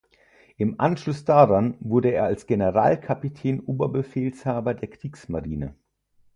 Im Anschluss daran wurde er als Generalkapitän Oberbefehlshaber der Kriegsmarine.